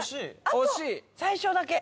最初だけ。